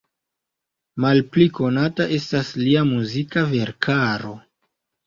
Malpli konata estas lia muzika verkaro.